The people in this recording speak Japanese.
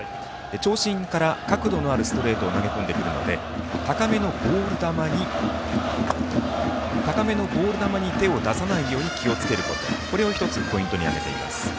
長身から角度のあるストレートを投げ込んでくるので高めのボール球に手を出さないように気をつけること、これを１つポイントに挙げています。